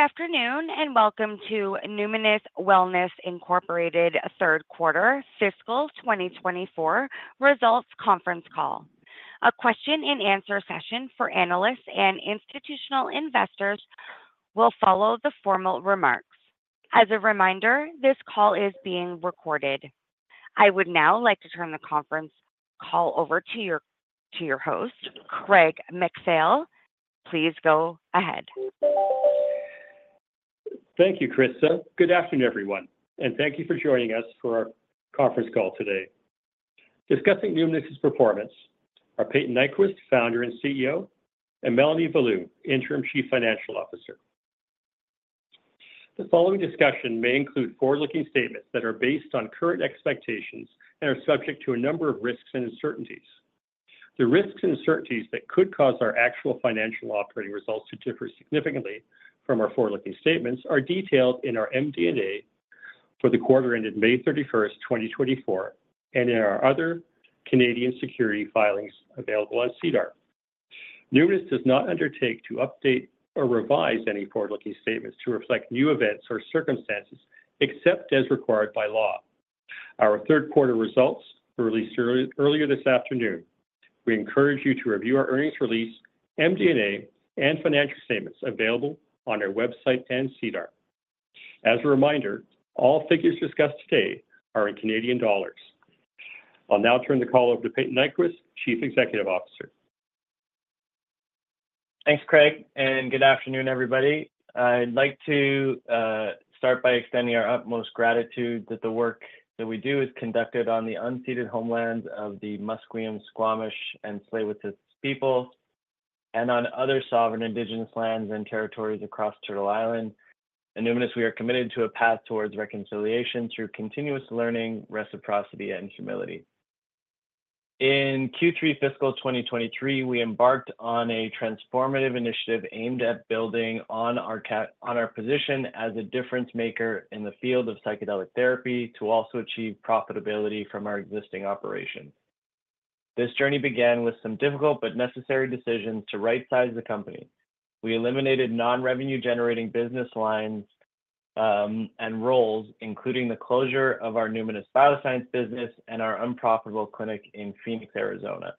Good afternoon, and welcome to Numinus Wellness Incorporated third quarter fiscal 2024 results conference call. A question and answer session for analysts and institutional investors will follow the formal remarks. As a reminder, this call is being recorded. I would now like to turn the conference call over to your host, Craig MacPhail. Please go ahead. Thank you, Krista. Good afternoon, everyone, and thank you for joining us for our conference call today. Discussing Numinus's performance are Peyton Nyquist, founder and CEO, and Melanie Beaulieu, interim chief financial officer. The following discussion may include forward-looking statements that are based on current expectations and are subject to a number of risks and uncertainties. The risks and uncertainties that could cause our actual financial operating results to differ significantly from our forward-looking statements are detailed in our MD&A for the quarter ended May 31, 2024, and in our other Canadian securities filings available on SEDAR. Numinus does not undertake to update or revise any forward-looking statements to reflect new events or circumstances, except as required by law. Our third quarter results were released earlier this afternoon. We encourage you to review our earnings release, MD&A, and financial statements available on our website and SEDAR. As a reminder, all figures discussed today are in Canadian dollars. I'll now turn the call over to Peyton Nyquist, Chief Executive Officer. Thanks, Craig, and good afternoon, everybody. I'd like to start by extending our utmost gratitude that the work that we do is conducted on the unceded homelands of the Musqueam, Squamish, and Tsleil-Waututh people, and on other sovereign indigenous lands and territories across Turtle Island. At Numinus, we are committed to a path towards reconciliation through continuous learning, reciprocity, and humility. In Q3 fiscal 2023, we embarked on a transformative initiative aimed at building on our position as a difference maker in the field of psychedelic therapy to also achieve profitability from our existing operations. This journey began with some difficult but necessary decisions to right-size the company. We eliminated non-revenue generating business lines and roles, including the closure of our Numinus Bioscience business and our unprofitable clinic in Phoenix, Arizona.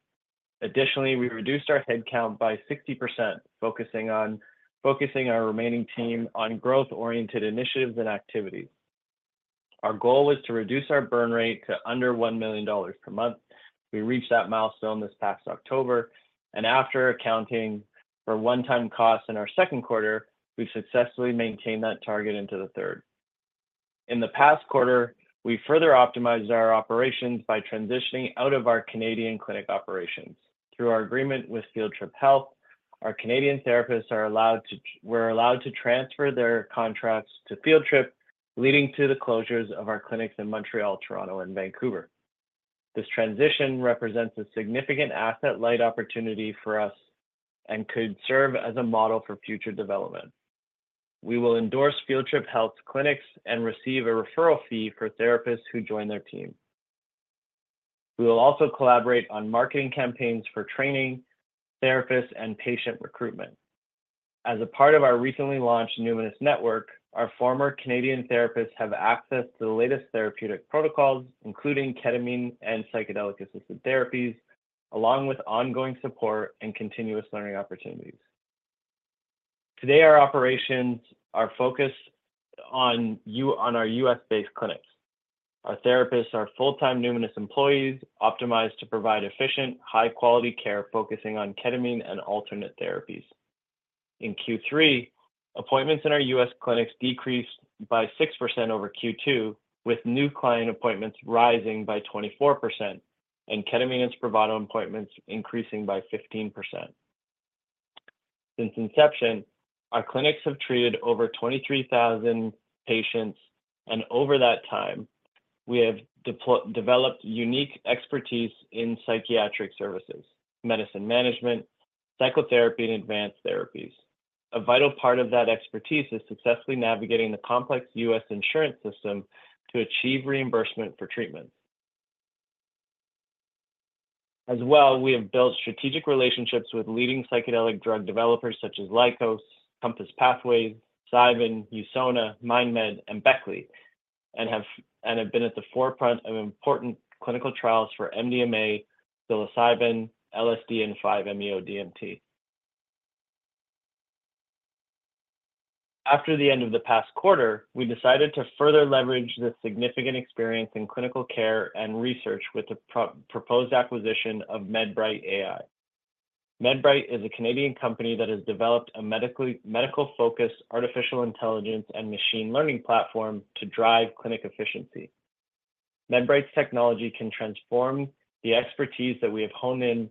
Additionally, we reduced our headcount by 60%, focusing our remaining team on growth-oriented initiatives and activities. Our goal was to reduce our burn rate to under 1,000,000 dollars per month. We reached that milestone this past October, and after accounting for one-time costs in our second quarter, we've successfully maintained that target into the third. In the past quarter, we further optimized our operations by transitioning out of our Canadian clinic operations. Through our agreement with Field Trip Health, our Canadian therapists were allowed to transfer their contracts to Field Trip, leading to the closures of our clinics in Montreal, Toronto and Vancouver. This transition represents a significant asset light opportunity for us and could serve as a model for future development. We will endorse Field Trip Health's clinics and receive a referral fee for therapists who join their team. We will also collaborate on marketing campaigns for training, therapists, and patient recruitment. As a part of our recently launched Numinus Network, our former Canadian therapists have access to the latest therapeutic protocols, including ketamine and psychedelic-assisted therapies, along with ongoing support and continuous learning opportunities. Today, our operations are focused on our U.S.-based clinics. Our therapists are full-time Numinus employees, optimized to provide efficient, high-quality care, focusing on ketamine and alternate therapies. In Q3, appointments in our U.S. clinics decreased by 6% over Q2, with new client appointments rising by 24% and ketamine and Spravato appointments increasing by 15%. Since inception, our clinics have treated over 23,000 patients, and over that time, we have developed unique expertise in psychiatric services, medicine management, psychotherapy, and advanced therapies. A vital part of that expertise is successfully navigating the complex US insurance system to achieve reimbursement for treatments. As well, we have built strategic relationships with leading psychedelic drug developers such as Lykos, Compass Pathways, Cybin, Usona, MindMed, and Beckley, and have been at the forefront of important clinical trials for MDMA, psilocybin, LSD, and 5-MeO-DMT. After the end of the past quarter, we decided to further leverage this significant experience in clinical care and research with the proposed acquisition of MedBright AI. MedBright is a Canadian company that has developed a medical-focused artificial intelligence and machine learning platform to drive clinic efficiency. MedBright's technology can transform the expertise that we have honed in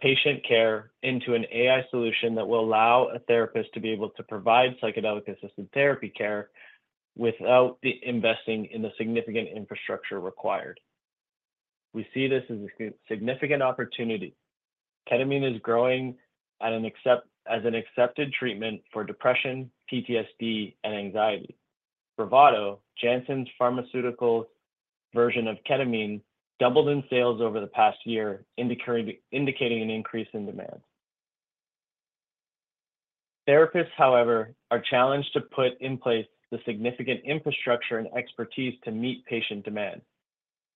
patient care into an AI solution that will allow a therapist to be able to provide psychedelic-assisted therapy care without the investing in the significant infrastructure required. We see this as a significant opportunity. Ketamine is growing as an accepted treatment for depression, PTSD, and anxiety. Spravato, Janssen Pharmaceuticals' version of ketamine, doubled in sales over the past year, indicating an increase in demand. Therapists, however, are challenged to put in place the significant infrastructure and expertise to meet patient demand.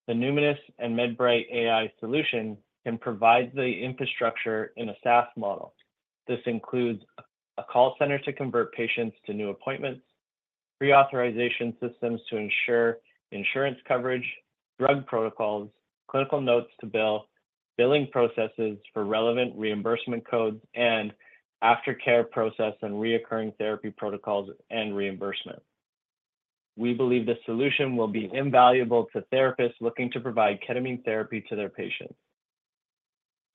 The Numinus and MedBright AI solution can provide the infrastructure in a SaaS model. This includes a call center to convert patients to new appointments, pre-authorization systems to ensure insurance coverage, drug protocols, clinical notes to bill, billing processes for relevant reimbursement codes, and aftercare process and recurring therapy protocols and reimbursement. We believe this solution will be invaluable to therapists looking to provide ketamine therapy to their patients.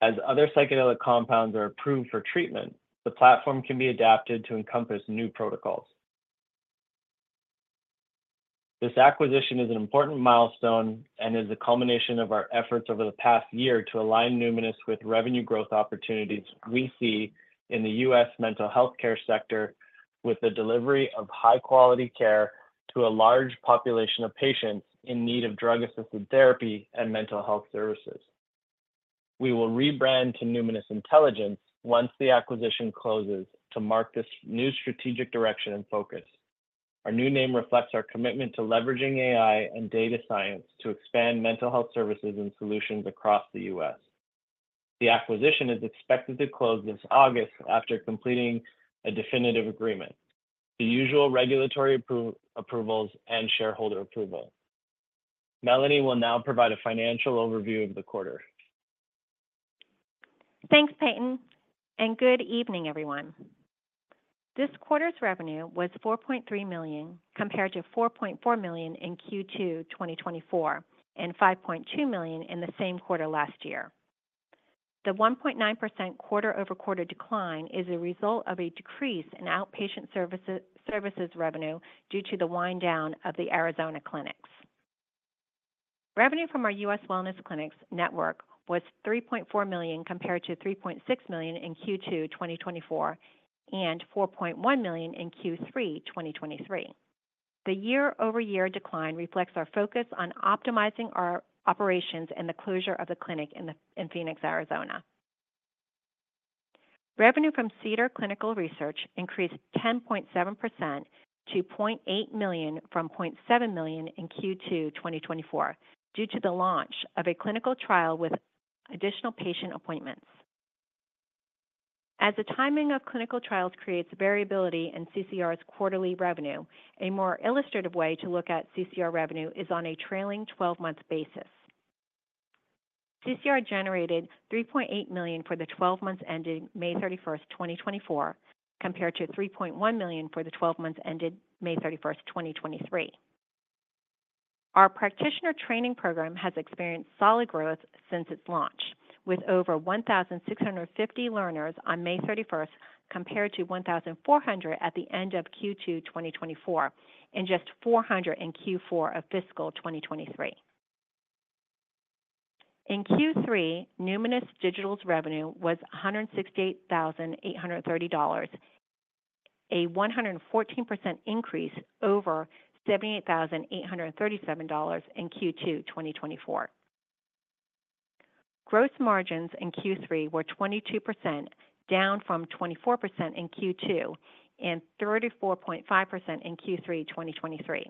As other psychedelic compounds are approved for treatment, the platform can be adapted to encompass new protocols. This acquisition is an important milestone and is a culmination of our efforts over the past year to align Numinus with revenue growth opportunities we see in the US mental health care sector, with the delivery of high quality care to a large population of patients in need of drug-assisted therapy and mental health services. We will rebrand to Numinus Intelligence once the acquisition closes, to mark this new strategic direction and focus. Our new name reflects our commitment to leveraging AI and data science to expand mental health services and solutions across the US. The acquisition is expected to close this August after completing a definitive agreement, the usual regulatory approvals, and shareholder approval. Melanie will now provide a financial overview of the quarter. Thanks, Peyton, and good evening, everyone. This quarter's revenue was 4,300,000, compared to 4,400,000 in Q2 2024, and 5,200,000 in the same quarter last year. The 1.9% quarter-over-quarter decline is a result of a decrease in outpatient services, services revenue due to the wind down of the Arizona clinics. Revenue from our U.S. wellness clinics network was 3,400,000, compared to 3,600,000 in Q2 2024, and 4,100,000 in Q3 2023. The year-over-year decline reflects our focus on optimizing our operations and the closure of the clinic in Phoenix, Arizona. Revenue from Cedar Clinical Research increased 10.7% to 800,000 from 700,000 in Q2 2024, due to the launch of a clinical trial with additional patient appointments. As the timing of clinical trials creates variability in CCR's quarterly revenue, a more illustrative way to look at CCR revenue is on a trailing twelve-month basis. CCR generated 3,800,000 for the twelve months ending May 31, 2024, compared to 3,100,000 for the twelve months ended May 31, 2023. Our practitioner training program has experienced solid growth since its launch, with over 1,650 learners on May 31, compared to 1,400 at the end of Q2 2024, and just 400 in Q4 of fiscal 2023. In Q3, Numinus Digital's revenue was 168,830 dollars, a 114% increase over 78,837 dollars in Q2 2024. Gross margins in Q3 were 22%, down from 24% in Q2, and 34.5% in Q3 2023.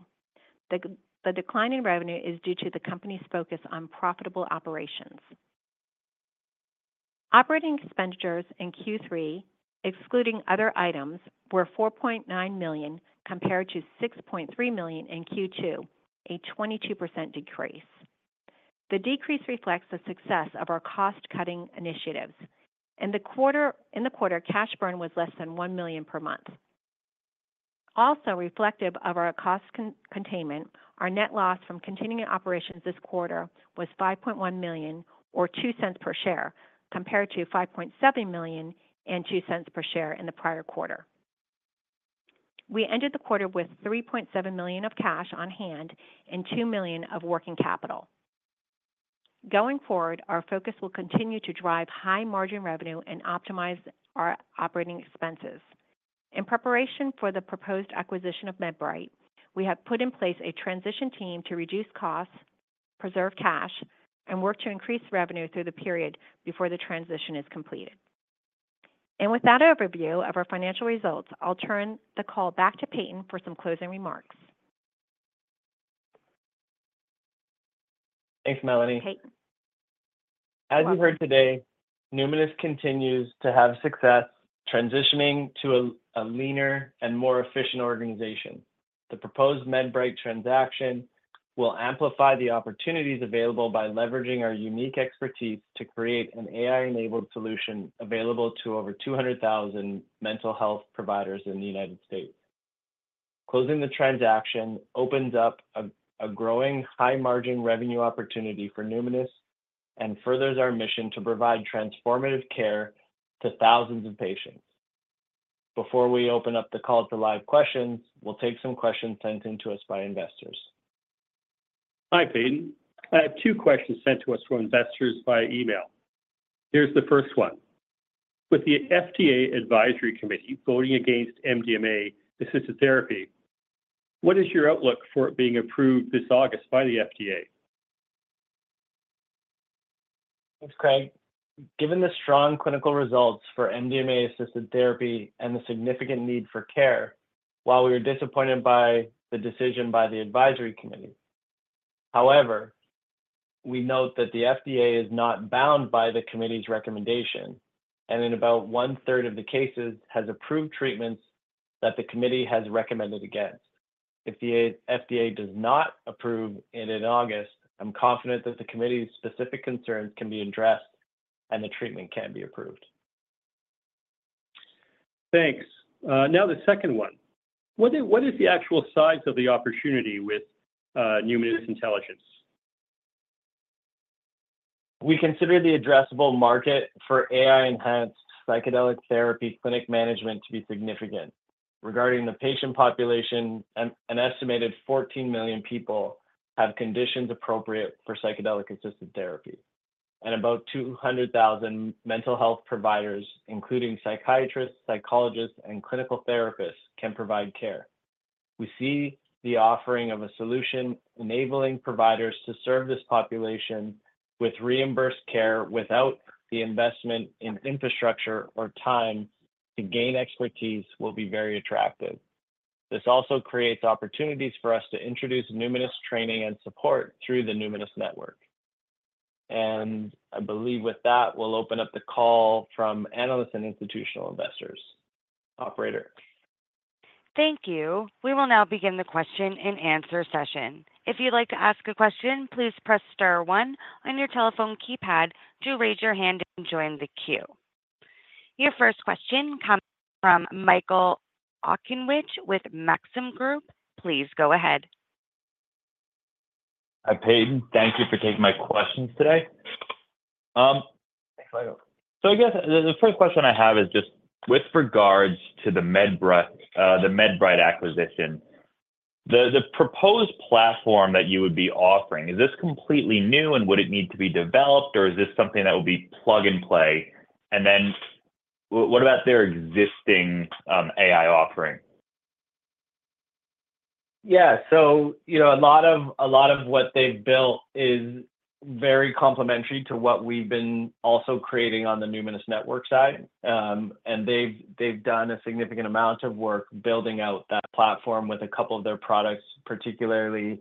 The decline in revenue is due to the company's focus on profitable operations. Operating expenditures in Q3, excluding other items, were 4,900,000, compared to 6,300,000 in Q2, a 22% decrease. The decrease reflects the success of our cost-cutting initiatives. In the quarter, in the quarter, cash burn was less than 1,000,000 per month. Also reflective of our cost containment, our net loss from continuing operations this quarter was 5,100,000, or 0.02 per share, compared to 5,700,000 and 0.02 per share in the prior quarter. We ended the quarter with 3,700,000 of cash on hand and 2,000,000 of working capital. Going forward, our focus will continue to drive high margin revenue and optimize our operating expenses. In preparation for the proposed acquisition of MedBright, we have put in place a transition team to reduce costs, preserve cash, and work to increase revenue through the period before the transition is completed. With that overview of our financial results, I'll turn the call back to Peyton for some closing remarks. Thanks, Melanie. Peyton. As you heard today, Numinus continues to have success transitioning to a leaner and more efficient organization. The proposed MedBright transaction will amplify the opportunities available by leveraging our unique expertise to create an AI-enabled solution available to over 200,000 mental health providers in the United States. Closing the transaction opens up a growing high margin revenue opportunity for Numinus and furthers our mission to provide transformative care to thousands of patients. Before we open up the call to live questions, we'll take some questions sent in to us by investors. Hi, Peyton. I have two questions sent to us from investors via email. Here's the first one: With the FDA advisory committee voting against MDMA-assisted therapy, what is your outlook for it being approved this August by the FDA? Thanks, Craig. Given the strong clinical results for MDMA-assisted therapy and the significant need for care, while we were disappointed by the decision by the advisory committee. However, we note that the FDA is not bound by the committee's recommendation, and in about one-third of the cases, has approved treatments that the committee has recommended against. If the FDA does not approve it in August, I'm confident that the committee's specific concerns can be addressed and the treatment can be approved. Thanks. Now, the second one: what is the actual size of the opportunity with Numinus Intelligence? We consider the addressable market for AI-enhanced psychedelic therapy clinic management to be significant. Regarding the patient population, an estimated 14,000,000 people have conditions appropriate for psychedelic-assisted therapy, and about 200,000 mental health providers, including psychiatrists, psychologists, and clinical therapists, can provide care. We see the offering of a solution enabling providers to serve this population with reimbursed care without the investment in infrastructure or time to gain expertise will be very attractive. This also creates opportunities for us to introduce Numinus training and support through the Numinus Network. I believe with that, we'll open up the call from analysts and institutional investors. Operator? Thank you. We will now begin the question and answer session. If you'd like to ask a question, please press star one on your telephone keypad to raise your hand and join the queue. Your first question comes from Michael Okunewitch with Maxim Group. Please go ahead. Hi, Peyton. Thank you for taking my questions today. Thanks, Michael. So I guess the first question I have is just with regards to the MedBright acquisition, the proposed platform that you would be offering, is this completely new, and would it need to be developed, or is this something that would be plug and play? And then what about their existing AI offering? Yeah. So, you know, a lot of, a lot of what they've built is very complementary to what we've been also creating on the Numinus Network side. And they've, they've done a significant amount of work building out that platform with a couple of their products, particularly,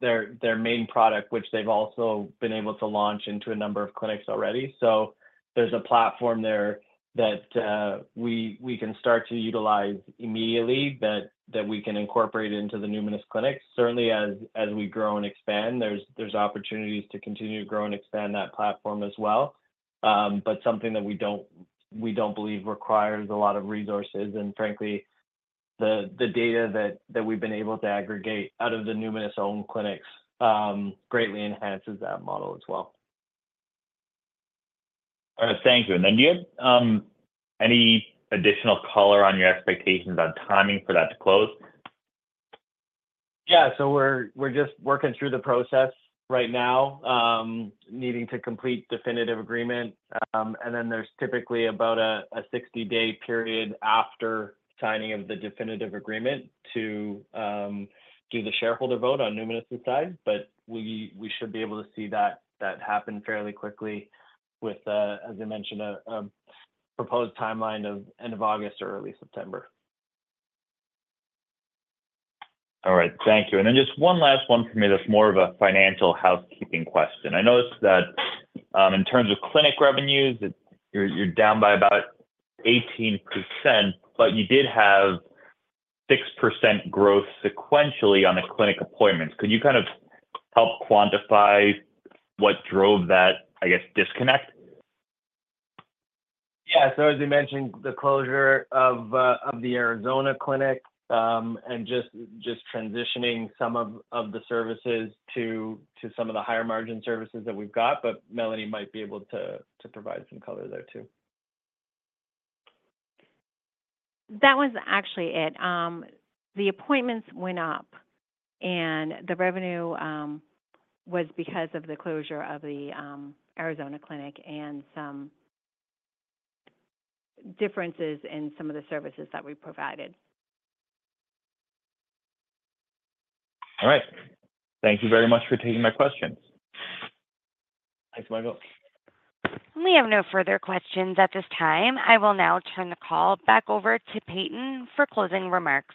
their, their main product, which they've also been able to launch into a number of clinics already. So there's a platform there that, we, we can start to utilize immediately, that, that we can incorporate into the Numinus clinics. Certainly, as, as we grow and expand, there's, there's opportunities to continue to grow and expand that platform as well. But something that we don't, we don't believe requires a lot of resources, and frankly, the, the data that, that we've been able to aggregate out of the Numinus own clinics, greatly enhances that model as well. All right. Thank you. And then, do you have any additional color on your expectations on timing for that to close? Yeah. So we're just working through the process right now, needing to complete definitive agreement. And then there's typically about a 60-day period after signing of the definitive agreement to do the shareholder vote on Numinus' side. But we should be able to see that happen fairly quickly with, as I mentioned, a proposed timeline of end of August or early September. All right. Thank you. And then just one last one for me that's more of a financial housekeeping question. I noticed that, in terms of clinic revenues, you're down by about 18%, but you did have 6% growth sequentially on the clinic appointments. Could you kind of help quantify what drove that, I guess, disconnect? Yeah. So as I mentioned, the closure of the Arizona clinic, and just transitioning some of the services to some of the higher margin services that we've got. But Melanie might be able to provide some color there, too. That was actually it. The appointments went up, and the revenue was because of the closure of the Arizona clinic and some differences in some of the services that we provided. All right. Thank you very much for taking my questions. Thanks, Michael. We have no further questions at this time. I will now turn the call back over to Peyton for closing remarks.